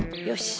よし。